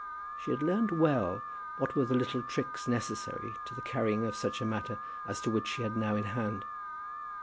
She had learned well what were the little tricks necessary to the carrying of such a matter as that which she had now in hand.